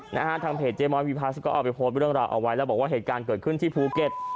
นะฮะทางเพจเจ๊ม้อยวีพลัสก็เอาไปโพสต์เรื่องราวเอาไว้แล้วบอกว่าเหตุการณ์เกิดขึ้นที่ภูเก็ต